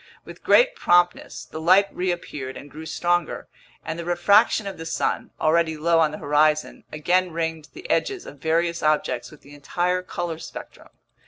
With great promptness, the light reappeared and grew stronger; and the refraction of the sun, already low on the horizon, again ringed the edges of various objects with the entire color spectrum.